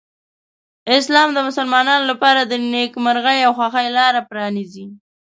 اسلام د مسلمانانو لپاره د نېکمرغۍ او خوښۍ لاره پرانیزي.